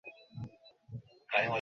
কী তোমার সাধ্য!